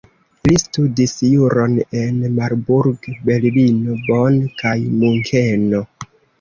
Li studis juron en Marburg, Berlino, Bonn kaj Munkeno.